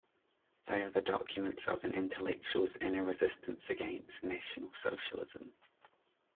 They are the documents of an intellectual's inner resistance against National Socialism.